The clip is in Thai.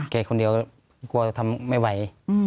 คนเดียวกลัวทำไม่ไหว